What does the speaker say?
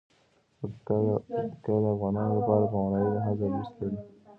پکتیکا د افغانانو لپاره په معنوي لحاظ ارزښت لري.